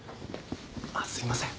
あっすいません。